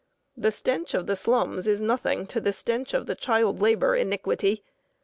The stench of the slums is nothing to the stench of the child labor iniquity.